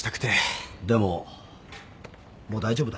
でももう大丈夫だ